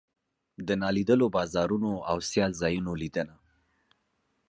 د نالیدلو بازارونو او سیال ځایونو لیدنه.